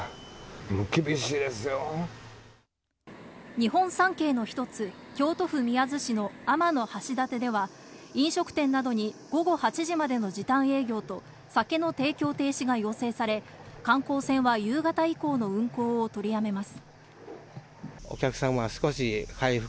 日本三景の一つ、京都府宮津市の天橋立では飲食店などに午後８時までの時短営業と、酒の提供停止が要請され、観光船は夕方以降の運航を取りやめます。